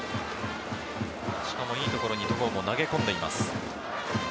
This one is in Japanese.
しかもいい所に戸郷も投げ込んでいます。